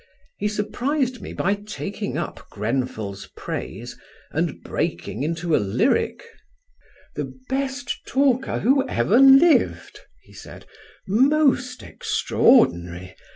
He surprised me by taking up Grenfell's praise and breaking into a lyric: "The best talker who ever lived," he said; "most extraordinary.